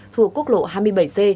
thuộc quốc lộ hai mươi bảy c